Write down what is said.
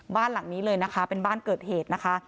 บ้านหลังนี้เลยนะคะเป็นบ้านเกิดเหตุนะคะ